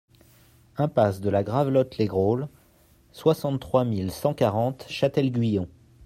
Impasse de la Gravelotte Les Grosl, soixante-trois mille cent quarante Châtel-Guyon